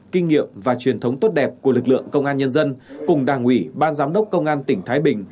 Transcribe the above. kinh nghiệm và truyền thống tốt đẹp của lực lượng công an nhân dân cùng đảng ủy ban giám đốc công an tỉnh thái bình